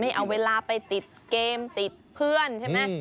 เอาเวลาไปติดเกมติดเพื่อนใช่ไหม